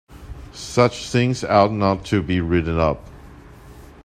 Such things ought not to be written up.